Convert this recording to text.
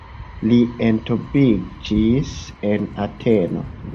Li entombiĝis en Ateno.